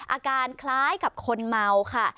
อาการคล้ายกับคนเมาค่ะ